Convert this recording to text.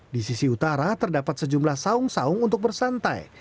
di sisi utara terdapat sejumlah saung saung untuk bersantai